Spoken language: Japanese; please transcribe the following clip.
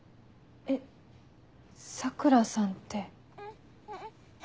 えっ桜さんって。